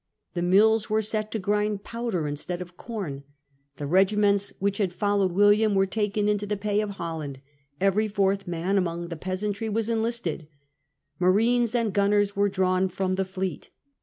The mills were set to grind powder instead of corn ; the regiments which had followed William were taken into the pay of Holland ; every fourth man among the peasantry was enlisted; marines and gunners were drawn from the fleet.